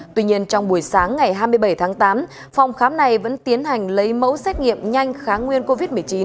tuy nhiên trong buổi sáng ngày hai mươi bảy tháng tám phòng khám này vẫn tiến hành lấy mẫu xét nghiệm nhanh kháng nguyên covid một mươi chín